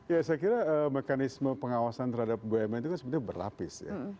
ya saya kira mekanisme pengawasan terhadap bumn itu kan sebenarnya berlapis ya